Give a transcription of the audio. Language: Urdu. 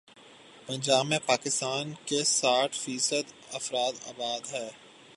پنجاب میں پاکستان کے ساٹھ فی صد افراد آباد ہیں۔